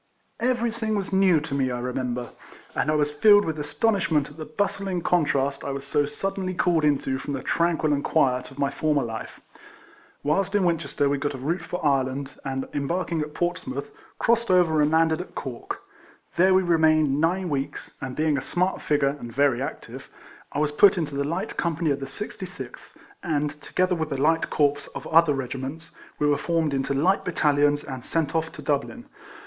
Everything was new to me, I remember, RIFLEMAN HARRIS. 9 and I was filled with astonishment at the basthng contrast I was so suddenly called into from the tranquil and quiet of my former life. Whilst in Winchester, we got a route for Ireland, and embarking at Portsmouth, crossed over and landed at Cork. There we remained nine weeks ; and being a smart figure and very active, I was put into the light company of the 66th, and, together with the light corps of other regiments, we were formed into light battalions, and sent off to Dublin.